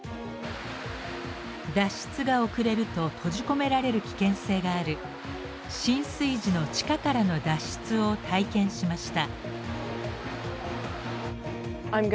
脱出が遅れると閉じ込められる危険性がある浸水時の地下からの脱出を体験しました。